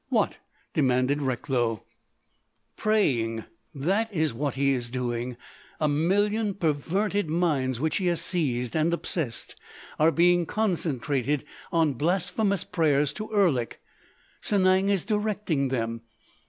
"What?" demanded Recklow. "Praying! That is what he is doing! A million perverted minds which he has seized and obsessed are being concentrated on blasphemous prayers to Erlik! Sanang is directing them.